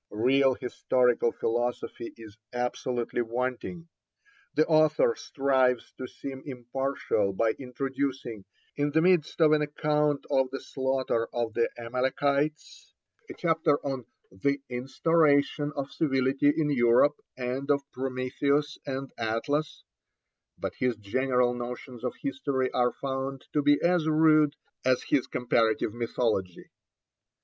Real historical philosophy is absolutely wanting. The author strives to seem impartial by introducing, in the midst of an account of the slaughter of the Amalekites, a chapter on 'The Instauration of Civility in Europe, and of Prometheus and Atlas;' but his general notions of history are found to be as rude as his comparative mythology.